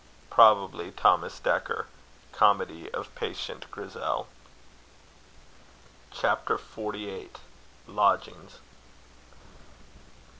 Probably THOMAS DEKKER. Comedy of Patient Grissell. CHAPTER I. LODGINGS.